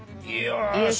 よし。